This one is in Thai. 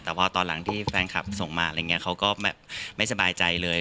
แต่พอตอนหลังที่แฟนคลับส่งมาอะไรอย่างนี้เขาก็แบบไม่สบายใจเลย